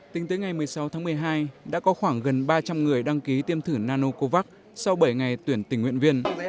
tính tới ngày một mươi sáu tháng một mươi hai đã có khoảng gần ba trăm linh người đăng ký tiêm thử nanocovax sau bảy ngày tuyển tình nguyện viên